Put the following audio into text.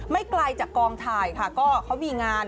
ไม่ไกลจากกองถ่ายค่ะ